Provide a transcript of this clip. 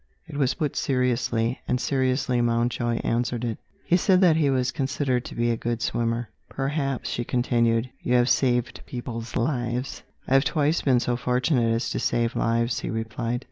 It was put seriously and seriously Mountjoy answered it. He said that he was considered to be a good swimmer. "Perhaps," she continued, "you have saved people's lives." "I have twice been so fortunate as to save lives," he replied.